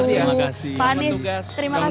pak anies terima kasih